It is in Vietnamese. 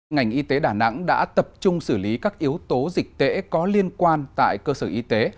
ngành y tế đà nẵng đã tập trung xử lý các yếu tố dịch tễ có liên quan tại cơ sở y tế